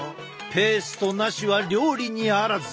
ペーストなしは料理にあらず！